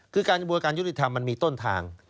การการยุติธรรมมันมีต้นทาง